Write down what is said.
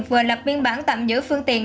vừa lập biên bản tạm giữ phương tiện